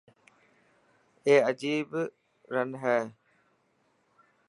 اي اجيب رن هي.